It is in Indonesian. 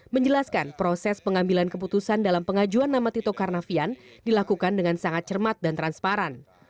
menjelaskan proses pengambilan keputusan dalam pengajuan nama tito karnavian dilakukan dengan sangat cermat dan transparan